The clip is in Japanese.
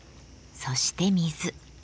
そして水。